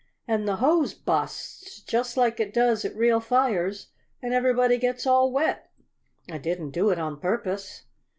And the hose busts just like it does at real fires and everybody gets all wet. I didn't do it on purpose!"